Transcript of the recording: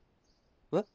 えっ？